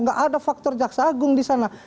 nggak ada faktor jaksa agung di sana